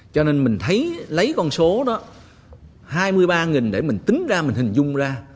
cho nên mình thấy lấy con số đó hai mươi ba để mình tính ra mình hình dung ra